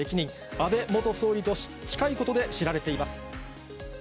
安倍元総理と近いことで知られています。